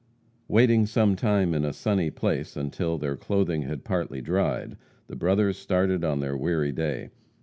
Waiting some time in a sunny place until their clothing had partly dried, the brothers started on their weary way.